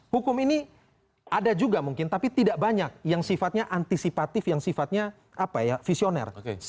hukum ini ada juga mungkin tapi tidak banyak yang sifatnya antisipatif yang sifatnya visioner